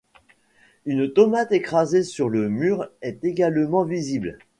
Une tomate écrasée sur le mur est également visible.